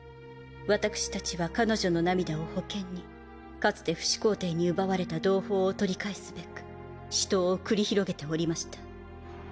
私たちは彼女の涙を保険にかつて不死皇帝に奪われた同胞を取り返すべく死闘を繰り広げておりました。